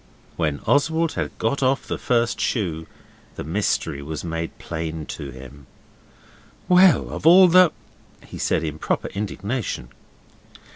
When Oswald had got off the first shoe the mystery was made plain to him. 'Well! Of all the ' he said in proper indignation.